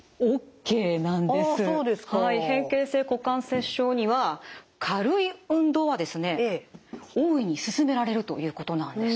変形性股関節症には軽い運動はですね大いにすすめられるということなんです。